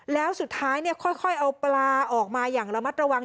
แล้วสุดท้ายค่อยเอาปลาออกมาอย่างระมัดระวัง